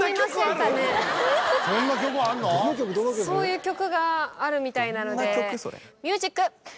そういう曲があるみたいなので。